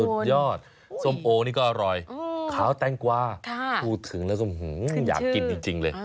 สุดยอดส้มโอนี่ก็อร่อยขาวแตงกวาพูดถึงแล้วก็อยากกินจริงเลย